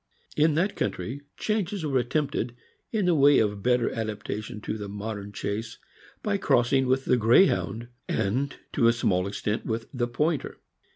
In that country, changes were attempted, in the way of better adaptation to the modern chase, by crossing with the Greyhound, and, to a small extent, with the Pointer.